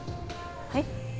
はい？